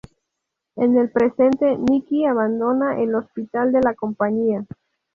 En el presente Niki abandona el hospital de La Compañía.